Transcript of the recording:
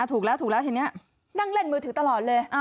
ถูกแล้วทีนี้นั่งเล่นมือถือตลอดเลย